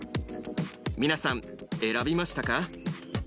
皆さん選びましたか。